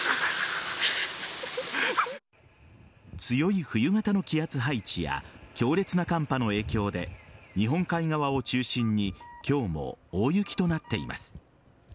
強い冬型の気圧配置や強烈な寒波の影響で日本海側を中心に今日も大雪となっています。